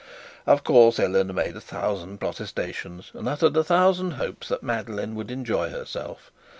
Of course Eleanor made a thousand protestations, a uttered a thousand hopes that Madeline would enjoy herself.